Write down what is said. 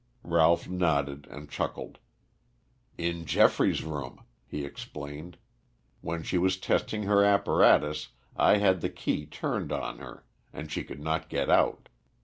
Ralph nodded and chuckled. "In Geoffrey's room," he explained. "When she was testing her apparatus I had the key turned on her. And she could not get out.